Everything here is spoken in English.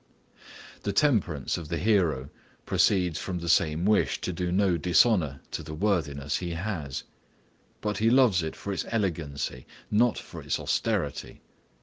The temperance of the hero proceeds from the same wish to do no dishonor to the worthiness he has. But he loves it for its elegancy, not for its austerity.